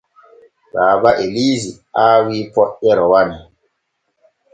Baaba Eliisi aawi poƴƴe rowani.